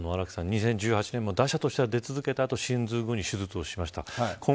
２０１８年も打者としては出続けたあとシーズン後に手術をしました。